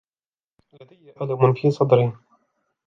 لدي ألم في صدري.